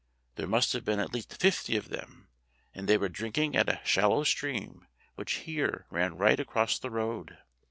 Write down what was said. There must have been at least fifty of them, and they were drinking at a shal low stream which here ran right across the road.